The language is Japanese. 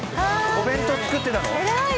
お弁当作ってたの？